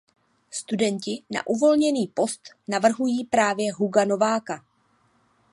Studenti na uvolněný post navrhují právě Huga Nováka.